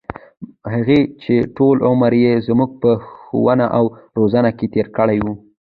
هغـې چـې ټـول عـمر يـې زمـوږ په ښـوونه او روزنـه کـې تېـر کـړى و.